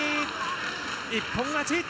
一本勝ち。